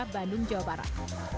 bandung jawa barat